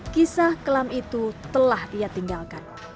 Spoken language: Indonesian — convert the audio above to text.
kisah kelam itu telah ia tinggalkan